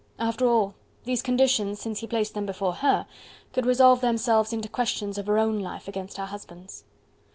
After all, these conditions, since he placed them before HER, could resolve themselves into questions of her own life against her husband's.